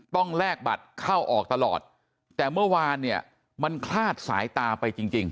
แลกบัตรเข้าออกตลอดแต่เมื่อวานเนี่ยมันคลาดสายตาไปจริงจริง